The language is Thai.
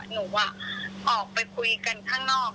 หนูออกไปคุยกันข้างนอก